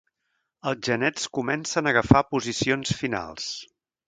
Els genets comencen agafar posicions finals.